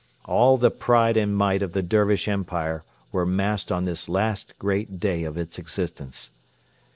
All the pride and might of the Dervish Empire were massed on this last great day of its existence.